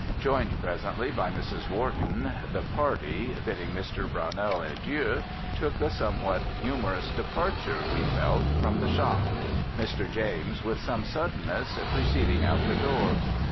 Joined presently by Mrs. Wharton, the party, bidding Mr. Brownell adieu, took a somewhat humorous departure (we felt) from the shop; Mr. James, with some suddenness, preceding out the door.